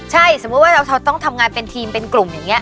ใช่สมมุติว่าเราต้องทำงานเป็นทีมเป็นกลุ่มอย่างนี้